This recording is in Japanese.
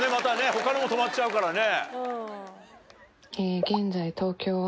他のも止まっちゃうからね。